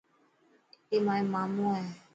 اي مايو مامو هي.